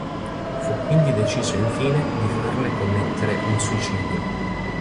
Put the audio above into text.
Fu quindi deciso infine di farle commettere un suicidio.